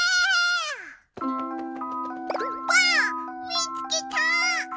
みつけた！